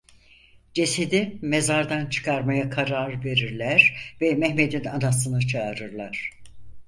Cesedi mezardan çıkarmaya karar verirler ve Mehmet'in anasını çağırırlar.